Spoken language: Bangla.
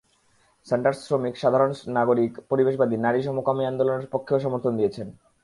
স্যান্ডার্স শ্রমিক, সাধারণ নাগরিক, পরিবেশবাদী, নারী সমকামী আন্দোলনের পক্ষেও সমর্থন দিয়েছেন।